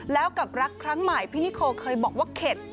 แล้วกับรักครั้งใหม่พี่นิโคเคยบอกว่าเข็ด